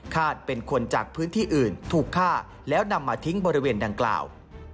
เป็นคนจากพื้นที่อื่นถูกฆ่าแล้วนำมาทิ้งบริเวณดังกล่าว